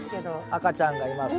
赤ちゃんがいます。